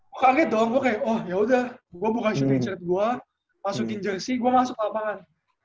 gue kaget dong gue kayak oh yaudah gue buka shooting shirt gue masukin jersey gue masuk lapangan